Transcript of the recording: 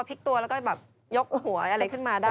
พลิกตัวแล้วก็แบบยกหัวอะไรขึ้นมาได้